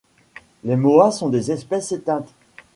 Les moas sont des espèces éteintes.